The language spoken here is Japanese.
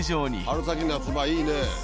春先夏場いいね。